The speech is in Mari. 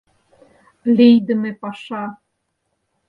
Лийдыме паша!